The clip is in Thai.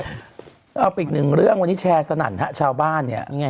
เอาอีกหนึ่งเรื่องวันนี้แชร์สนั่นฮะชาวบ้านเนี่ย